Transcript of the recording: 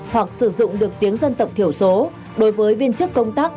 hoặc sử dụng được tiếng dân tộc thiểu số đối với viên chức công tác